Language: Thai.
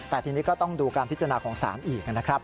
แต่ทีนี้ก็ต้องดูการพิจารณาของศาลอีกนะครับ